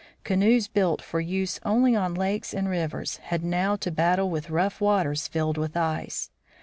Canoes built for use only on lakes and rivers had now to battle with rough waters filled with ice.